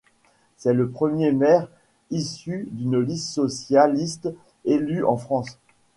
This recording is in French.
C'est le premier maire issu d'une liste socialiste élu en France.